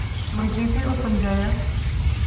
مجیدیں او سمجھایا